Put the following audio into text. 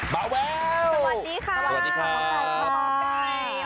บาวแววสวัสดีค่ะหมอไก่หมอไก่สวัสดีค่ะ